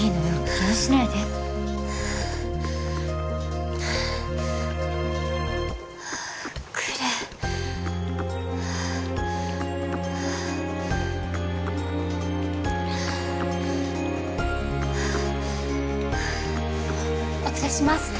気にしないでクレーお連れします